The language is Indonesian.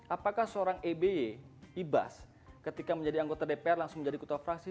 apakah seorang eby ibas ketika menjadi anggota dpr langsung menjadi ketua fraksi